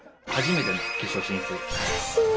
初めての決勝進出。